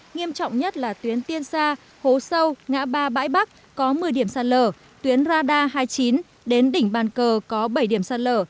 nghiêm trọng nhất là tuyến tiên sa hố sâu ngã ba bãi bắc có một mươi điểm sạt lở tuyến radar hai mươi chín đến đỉnh bàn cờ có bảy điểm sạt lở